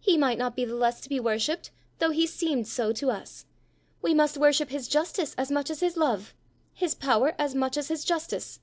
"He might not be the less to be worshipped though he seemed so to us. We must worship his justice as much as his love, his power as much as his justice."